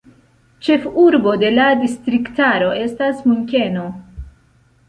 Ĉefurbo de la distriktaro estas Munkeno.